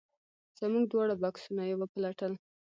زموږ دواړه بکسونه یې وپلټل.